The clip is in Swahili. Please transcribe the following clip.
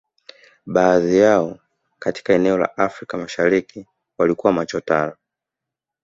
Baadhi yao katika eneo la Afrika Mashariki walikuwa machotara